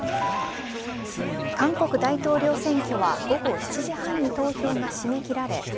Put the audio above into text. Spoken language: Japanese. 韓国大統領選挙は午後７時半に投票が締め切られ